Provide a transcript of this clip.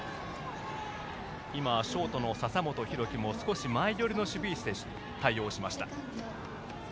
今、ショートの笹本裕樹も少し前寄りの守備位置で対応しました。